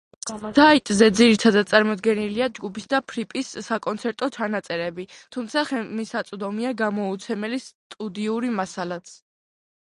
საიტზე ძირითადად წარმოდგენილია ჯგუფის და ფრიპის საკონცერტო ჩანაწერები, თუმცა ხელმისაწვდომია გამოუცემელი სტუდიური მასალაც.